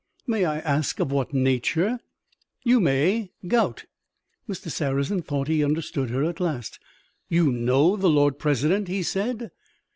"May I ask of what nature?" "You may. Gout." Mr. Sarrazin thought he understood her at last. "You know the Lord President," he said.